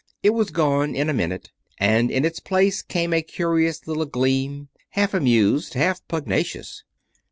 It was gone in a minute, and in its place came a curious little gleam, half amused, half pugnacious.